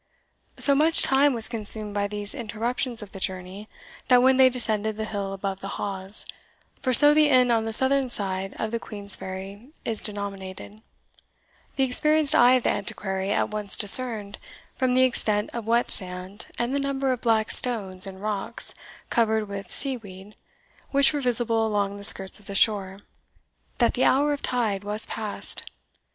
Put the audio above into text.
So much time was consumed by these interruptions of their journey, that when they descended the hill above the Hawes (for so the inn on the southern side of the Queensferry is denominated), the experienced eye of the Antiquary at once discerned, from the extent of wet sand, and the number of black stones and rocks, covered with sea weed, which were visible along the skirts of the shore, that the hour of tide was past.